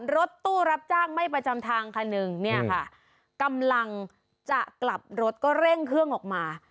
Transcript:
รถตู้รับจ้างไม่ประจำทางคันหนึ่งเนี่ยค่ะกำลังจะกลับรถก็เร่งเครื่องออกมา